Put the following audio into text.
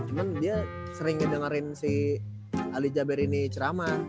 cuman dia sering ngedengerin si alijaber ini ceramah